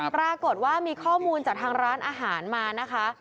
ปรากฏว่ามีข้อมูลจากทางร้านอาหารมานะคะ